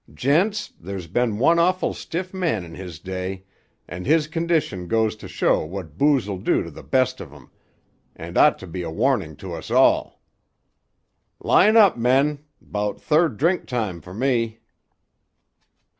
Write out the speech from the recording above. Gents, there's been one awful stiff man in his day, and his condition goes to show what booze'll do to the best of 'em, and ought to be a warning to us all. Line up, men; 'bout third drink time for me."